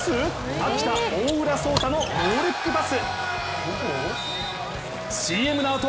秋田・大浦颯太のノールックパス。